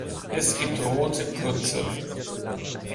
Es gibt rote Grütze.